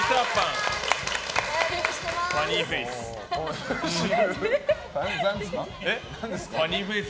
ファニーフェイス。